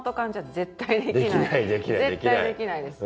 絶対できないです。